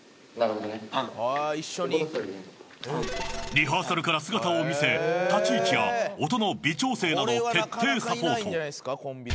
リハーサルから姿を見せ立ち位置から音の微調整など徹底サポート。